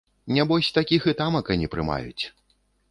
Нябось такіх і тамака не прымаюць.